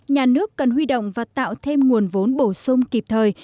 nhà nước cần huy động và tạo thêm nguồn vốn bổ sung kịp thời